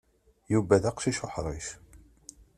Yuba d aqcic uḥṛic.